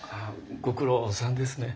ご苦労さんですね。